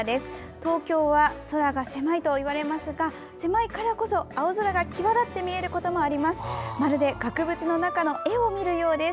東京は空が狭いといわれますが狭いからこそ青空が際立って見えることもあります。